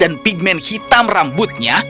dan pigment hitam rambutnya